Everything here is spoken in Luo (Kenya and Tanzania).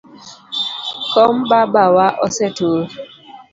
Kom baba wa osetur.